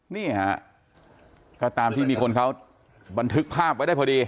นี่ฮะก็ตามที่มีคนเขาบันทึกภาพไว้ได้พอดี